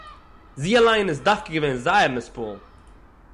זי אַליין איז דווקא געווען זייער נתפּעל